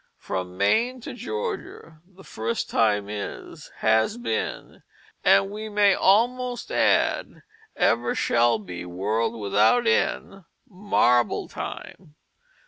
From Maine to Georgia the first time is, has been (and we may almost add "ever shall be world without end"), marble time.